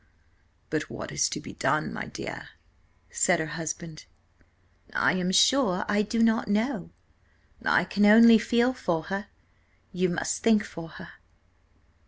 "But what is to be done, my dear?" said her husband. "I am sure I do not know; I can only feel for her, you must think for her."